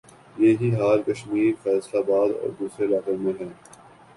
یہ ہی حال کشمیر، فیصل آباد اور دوسرے علاقوں میں ھے